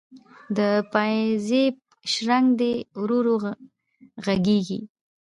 د پایزیب شرنګ دی ورو ورو ږغیږې